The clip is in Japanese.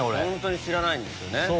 ホントに知らないんですよね。